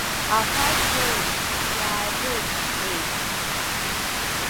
Аԥа диоуит, диааӡеит, — иҳәеит…